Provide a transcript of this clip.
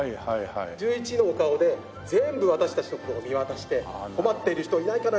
１１のお顔で全部私たちの事を見渡して困っている人はいないかな？